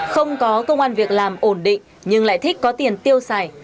không có công an việc làm ổn định nhưng lại thích có tiền tiêu xài